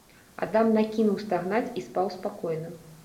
Адам накінуў стагнаць і спаў спакойна.